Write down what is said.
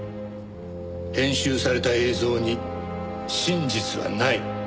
編集された映像に真実はない。